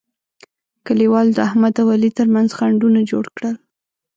کلیوالو د احمد او علي ترمنځ خنډونه جوړ کړل.